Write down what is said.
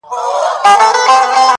پښتنو ته هم راغلی جادوګر وو!!